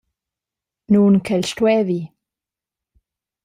Nun ch’el stuevi.